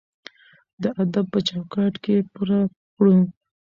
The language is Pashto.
د ادب په چوکاټ کې یې پوره کړو.